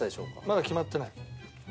まだ決まってない。